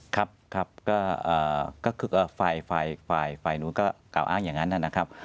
ครับก็คือฝ่ายฝ่ายฝ่ายฝ่ายนู้นก็กล่าวอ้างอย่างนั้นนะครับ